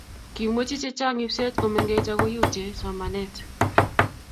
kimwechi che chang' ibset ko mengech aku yutie somanet